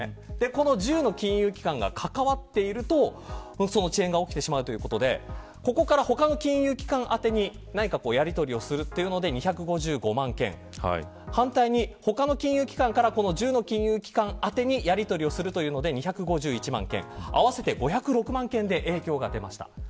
この１０の金融機関が関わっていると、どうしても遅延が起きてしまうということでここから他の金融機関宛てに何かやりとりをするというので２５５万件を反対に、他の金融機関から１０の金融機関にやりとりをするというので２５１万件合わせて５０６万件で影響が出ました。